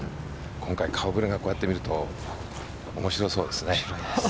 今回、顔ぶれがこうやって見ると面白そうですね。